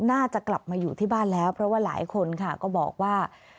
น่าจะกลับมาอยู่ที่บ้านแล้วเพราะว่าหลายคนค่ะก็บอกว่า